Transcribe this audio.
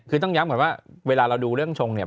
คือต้องย้ำก่อนว่าเวลาเราดูเรื่องชงเนี่ย